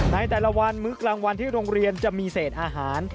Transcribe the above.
ในแต่ละวันมื้อกลางวันที่โรงเรียนจะมีเศษอาหาร